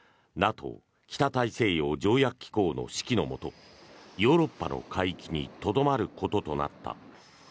ＮＡＴＯ・北大西洋条約機構の指揮のもとヨーロッパの海域にとどまることとなった。